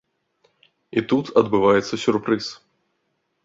І тут адбываецца сюрпрыз.